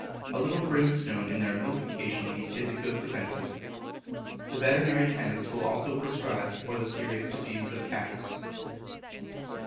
A little brimstone in their milk occasionally is a good preventive. The veterinary chemist will also prescribe for the serious diseases of cats.